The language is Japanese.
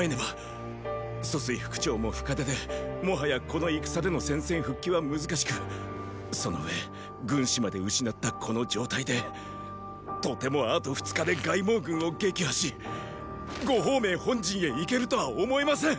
楚水副長も深手でもはやこの戦での戦線復帰は難しくその上軍師まで失ったこの状態でとてもあと二日で凱孟軍を撃破し呉鳳明本陣へ行けるとは思えません！